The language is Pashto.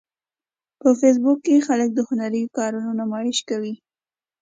په فېسبوک کې خلک د هنري کارونو نمایش کوي